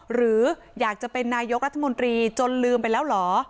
หรืออยากจะเป็นนายกรัฐมนตรีจนลืมไปแล้วเหรอ